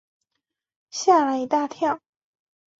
吓了一大跳